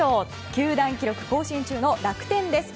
球団記録更新中の楽天です。